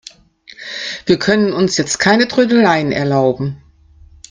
Wir können uns jetzt keine Trödeleien erlauben.